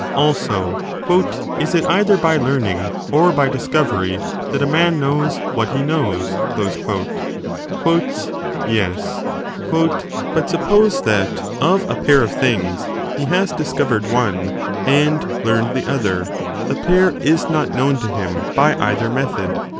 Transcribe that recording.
Also, Is it either by learning or by dis covery that a man knows what he knows ? Yes. But suppose that of a pair of things he has discovered one and 35 learned the other, the pair is not known to him by either method.